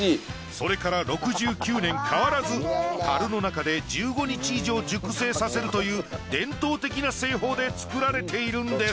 それから６９年変わらず樽の中で１５日以上熟成させるという伝統的な製法で作られているんです。